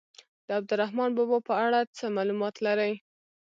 د عبدالرحمان بابا په اړه څه معلومات لرئ.